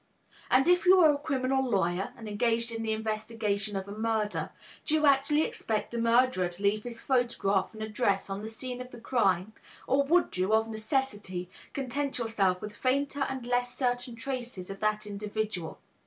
And if you are a criminal lawyer, and engaged in the investigation of a murder, do you actually expect the murderer to leave his photograph and address on the scene of the crime, or would you, of necessity, content yourself with fainter and less certain traces of that individual?